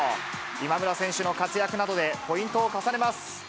今村選手の活躍などでポイントを重ねます。